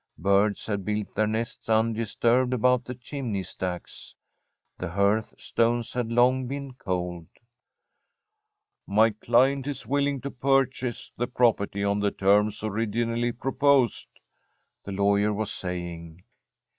Birds had built their nests undisturbed about the chimney stacks. The hearthstones had long been cold. 'My client is willing to purchase the property on the terms originally proposed,' the lawyer was saying.